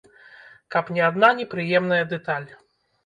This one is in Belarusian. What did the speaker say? Каб не адна непрыемная дэталь.